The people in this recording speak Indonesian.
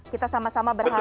kita sama sama berharap